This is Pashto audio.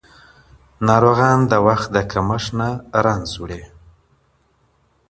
ناروغان د وخت په کمښت نه رنځ وړي.